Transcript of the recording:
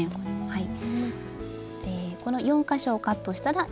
はい。